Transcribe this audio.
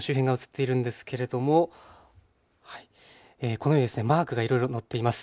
このようにですねマークがいろいろ載っています。